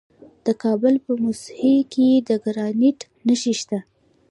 د کابل په موسهي کې د ګرانیټ نښې شته.